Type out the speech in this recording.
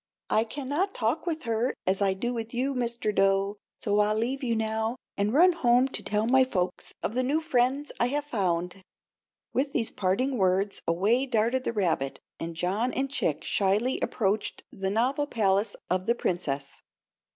"I cannot talk with her as I do with you, Mr. Dough; so I'll leave you now, and run home to tell my folks of the new friends I have found." With these parting words away darted the rabbit, and John and Chick shyly approached the novel palace of the Princess.